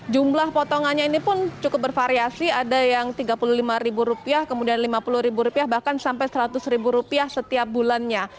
jumlah potongannya ini pun cukup bervariasi ada yang tiga puluh lima ribu rupiah kemudian lima puluh ribu rupiah bahkan sampai seratus ribu rupiah setiap bulannya